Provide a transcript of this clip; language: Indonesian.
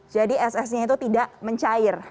jadi es esnya itu tidak mencair